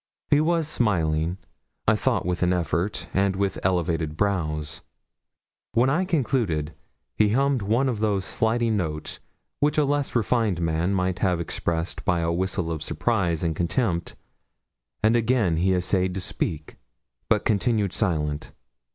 He was smiling I thought with an effort, and with elevated brows. When I concluded, he hummed one of those sliding notes, which a less refined man might have expressed by a whistle of surprise and contempt, and again he essayed to speak, but continued silent.